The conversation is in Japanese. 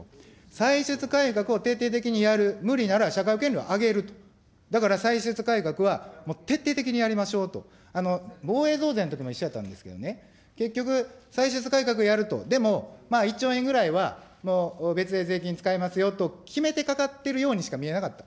歳出改革を徹底的にやる、無理なら社会保険料を上げると、だから歳出改革はもう徹底的にやりましょうと、防衛増税のときも一緒やったんですけどね、結局、歳出改革やると、でも、１兆円ぐらいは別で税金使いますよと決めてかかってるようにしか見えなかった。